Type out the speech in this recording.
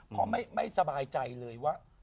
ขอไม่สบายใจเลยว่า